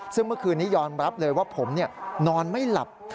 ซึ่งเมื่อคืนนี้ยอมรับเลยว่าผมนอนไม่หลับ